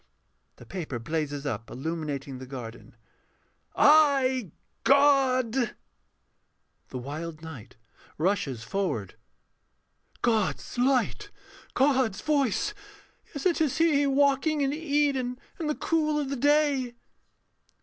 [The paper blazes up, illuminating the garden.] I, God ... THE WILD KNIGHT [rushes forward]. God's Light! God's Voice; yes, it is He Walking in Eden in the cool of the day!